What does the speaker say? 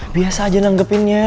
biasa aja nanggepinnya